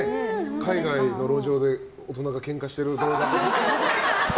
海外の路上で大人がケンカしている動画とか。